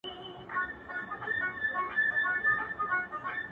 o بدرګه را سره ستوري وړمهیاره,